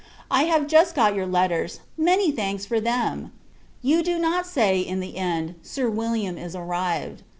I have just got your letters; many thanks, for them! You do not say, in the end, Sir William is arrived.